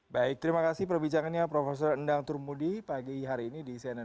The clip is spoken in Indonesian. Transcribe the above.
baik terima kasih perbicaraannya prof endang turmudi pagi hari ini di cnn news channel today